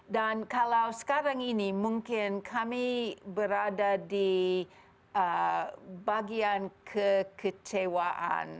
dan kalau sekarang ini mungkin kami berada di bagian kekecewaan